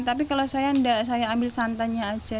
tapi kalau saya enggak saya ambil santannya aja